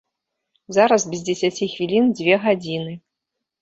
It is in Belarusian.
Зараз без дзесяці хвілін дзве гадзіны.